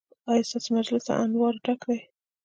ایا ستاسو مجلس له انوارو ډک دی؟